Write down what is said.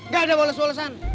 gak ada boles bolesan